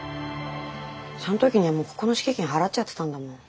その時にはもうここの敷金払っちゃってたんだもん。